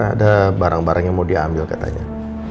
ada barang barang yang mau diambil katanya